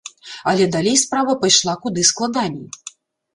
Але далей справа пайшла куды складаней.